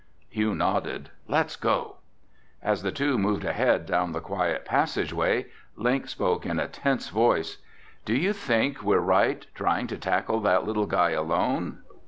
Hugh nodded. "Let's go." As the two moved ahead down the quiet passageway, Link spoke in a tense voice, "Do you think we're right trying to tackle that little guy alone?